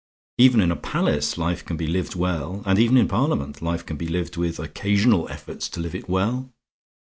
Even in a palace, life can be lived well; and even in a Parliament, life can be lived with occasional efforts to live it well.